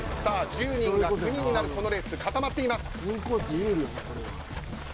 １０人が９人になるこのレース固まっています。